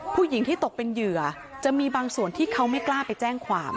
ผู้หญิงที่ตกเป็นเหยื่อจะมีบางส่วนที่เขาไม่กล้าไปแจ้งความ